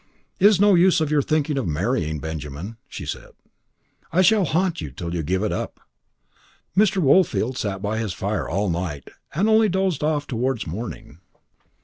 "It is of no use your thinking of marrying, Benjamin," she said. "I shall haunt you till you give it up." Mr. Woolfield sat by his fire all night, and only dozed off towards morning.